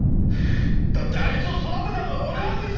だってあいつを育てたのは俺なんですよ！